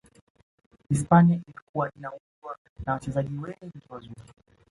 hispania ilikuwa inaundwa na wachezaji wengi wazuri